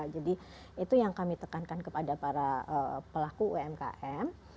jadi itu yang kami tekankan kepada para pelaku umkm